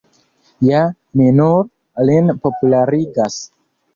Ja mi nur lin popularigas.